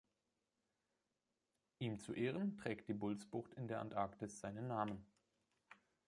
Ihm zu Ehren trägt die Buls-Bucht in der Antarktis seinen Namen.